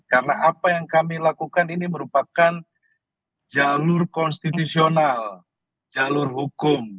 karena apa yang kami lakukan ini merupakan jalur konstitusional jalur hukum